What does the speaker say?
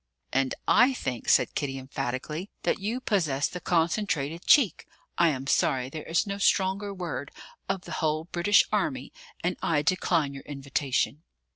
"And I think," said Kitty emphatically, "that you possess the concentrated cheek I am sorry there is no stronger word of the whole British Army; and I decline your invitation."